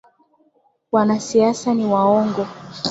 Wanasiasa ni waongo